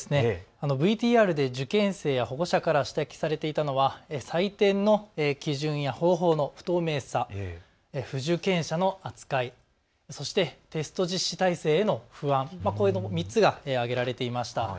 ＶＴＲで受験生や保護者から指摘されていたのは採点の基準や方法の不透明さ、不受験者の扱い、そしてテスト実施体制への不安、この３つが挙げられていました。